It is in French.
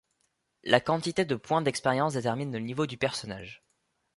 La quantité de points d’expérience détermine le niveau du personnage.